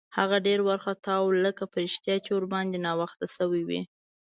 هغه ډېر وارخطا و، لکه په رښتیا چې ورباندې ناوخته شوی وي.